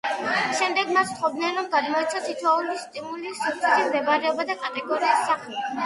შემდეგ მათ სთხოვდნენ, რომ გადმოეცათ თითოეული სტიმულის სივრცითი მდებარეობა და კატეგორიის სახელი.